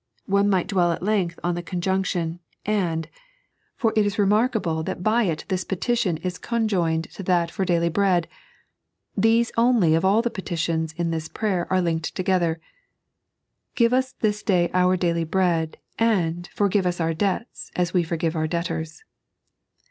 One might dwell at length on the conjunction " and," for it is remarkablfl that by it this petition is con joined to that for daily brend ; tbeee only of all the peti tions in this prayer are linked together. " Give us this day our daily bread, and forgive us our debts, as we forgive our debtors."